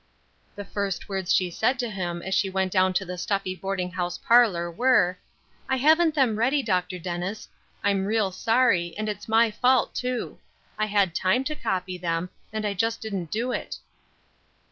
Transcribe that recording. The first words she said to him as she went down to the stuffy boarding house parlor were, "I haven't them ready, Dr. Dennis; I'm real sorry, and it's my fault, too. I had time to copy them, and I just didn't do it."